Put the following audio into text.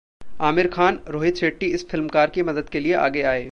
आमिर खान, रोहित शेट्टी इस फिल्मकार की मदद के लिए आगे आए